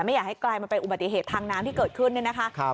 ไม่อยากให้กลายมาเป็นอุบัติเหตุทางน้ำที่เกิดขึ้นเนี่ยนะคะ